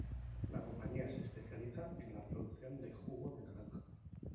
La compañía se especializa en la producción de jugo de naranja.